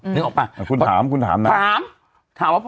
นึกออกเปล่า